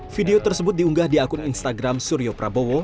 video tersebut diunggah di akun instagram suryo prabowo